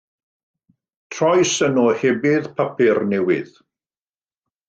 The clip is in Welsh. Troes yn ohebydd papur newydd.